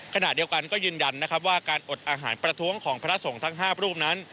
ขณะเดียวกันก็ยืนยันนะครับว่าการอดอาหารประท้วงของพระสงฆ์ทั้ง๕รูปนั้น